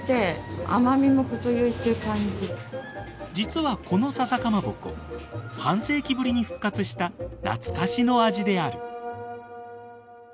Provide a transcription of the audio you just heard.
実はこのささかまぼこ半世紀ぶりに復活した懐かしの味である。